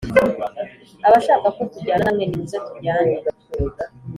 Abashaka ko tujyana namwe nimuze tujyane